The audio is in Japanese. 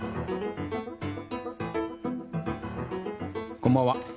こんばんは。